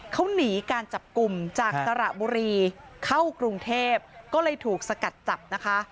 เขาหนีการจับกลุ่มจากสระบุรีเข้ากรุงเทพก็เลยถูกสกัดจับนะคะ